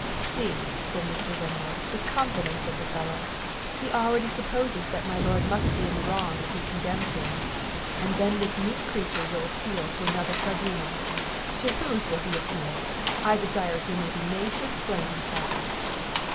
"See," said Mr. Wenlock, "the confidence of the fellow! he already supposes that my lord must be in the wrong if he condemns him; and then this meek creature will appeal to another tribunal. To whose will he appeal? I desire he may be made to explain himself."